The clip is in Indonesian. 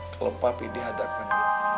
kalau papi dihadapkan